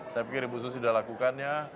saya pikir ibu susi sudah lakukannya